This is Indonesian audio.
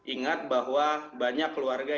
ingat bahwa banyak keluarga